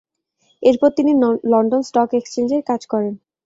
এরপর তিনি London stock এক্সচেঞ্জে কাজ করেন।